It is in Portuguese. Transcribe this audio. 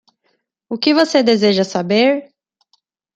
O que você deseja saber?